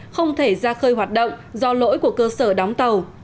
không thể ra khơi hoạt động do lỗi của cơ sở đóng tàu